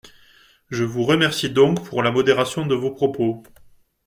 Je vous remercie donc pour la modération de vos propos.